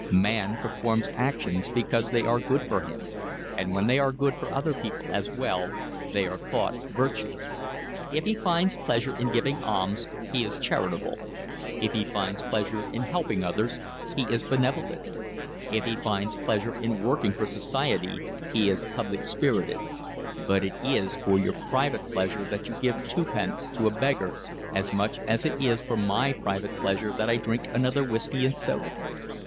Man performs actions because they are good for him, and when they are good for other people as well they are thought virtuous: if he finds pleasure in giving alms he is charitable; if he finds pleasure in helping others he is benevolent; if he finds pleasure in working for society he is public spirited; but it is for your private pleasure that you give twopence to a beggar as much as it is for my private pleasure that I drink another whiskey and soda.